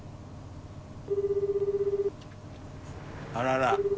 あらら。